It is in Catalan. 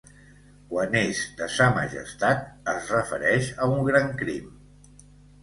Quan és de sa majestat es refereix a un gran crim.